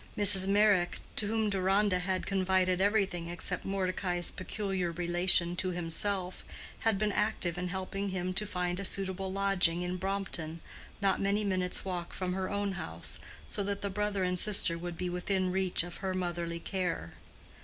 Mrs. Meyrick, to whom Deronda had confided everything except Mordecai's peculiar relation to himself, had been active in helping him to find a suitable lodging in Brompton, not many minutes' walk from her own house, so that the brother and sister would be within reach of her motherly care.